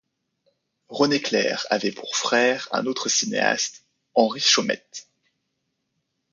René Clair avait pour frère un autre cinéaste, Henri Chomette.